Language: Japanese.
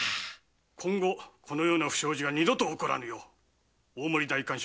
今後このような不祥事が二度と起こらぬよう大森代官所